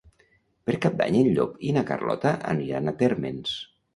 Per Cap d'Any en Llop i na Carlota aniran a Térmens.